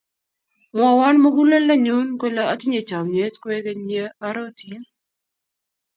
mwowon muguleldo nyu kole atinye chomiet kwekeny ye arotin